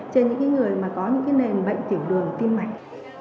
trên những cái người mà có những cái nền bệnh tiểu đường tim mạnh